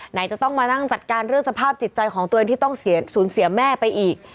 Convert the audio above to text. ไหนจะต้องมานั่งจัดการเรื่องสภาพจิตใจของตัวเองที่ต้องสูญเสียแม่ไปอีก